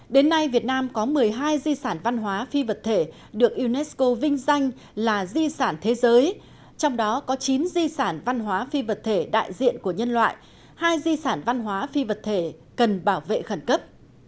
đến nay việt nam có một mươi hai di sản văn hóa phi vật thể được unesco vinh danh là di sản thế giới trong đó có chín di sản văn hóa phi vật thể đại diện của nhân loại hai di sản văn hóa phi vật thể cần bảo vệ khẩn cấp